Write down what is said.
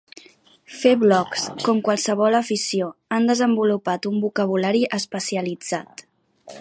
Fer blogs, com qualsevol afició, han desenvolupat un vocabulari especialitzat.